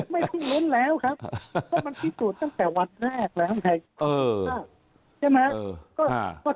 ไม่ต้องล้นแล้วครับก็มันคิดสู้ดั้งแต่วันแรกแล้วไฟ